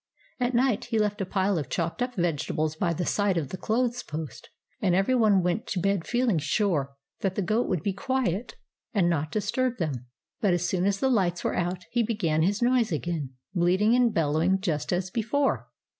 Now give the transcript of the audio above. At night he left a pile of chopped up vegetables by the side of the clothes post ; and every one went to bed feeling sure that the goat would be quiet 88 THE ADVENTURES OF MABEL and not disturb them. But as soon as the lights were out, he began his noise again, bleating and bellowing just as before.